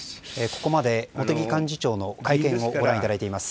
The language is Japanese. ここまで茂木幹事長の会見をご覧いただいています。